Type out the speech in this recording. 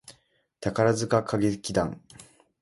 宝塚歌劇団